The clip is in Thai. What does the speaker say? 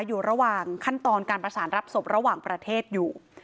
อยู่ระหว่างขั้นตอนการประสานรับศพระหว่างประเทศอยู่